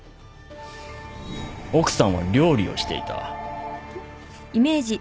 奥さんは料理をしていた。